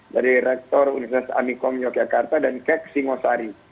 dari rektor universitas amikong yogyakarta dan kek singosari